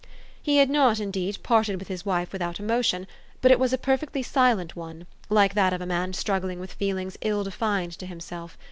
He had not, indeed, parted with his wife without emotion ; but it was a perfectly silent one, like that of a man struggling with feelings ill defined to him self.